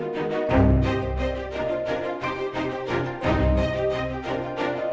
kalo mau diajarin tuh sama si awan tuh